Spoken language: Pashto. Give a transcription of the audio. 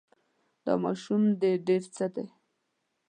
دا ماشوم دې څه دی.